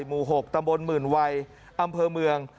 หมู่๖ตำบลหมื่นวัยอำเภอเมือง